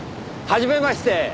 はじめまして。